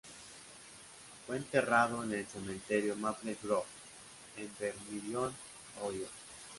Fue enterrado en el cementerio Maple Grove en Vermilion, Ohio.